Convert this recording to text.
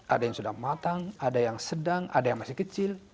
ada yang sudah matang ada yang sedang ada yang masih kecil